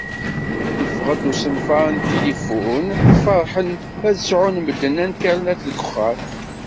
Iffeɣ-d usenfar n tilifun, ferḥen ad sɛun medden Internet deg uxxam.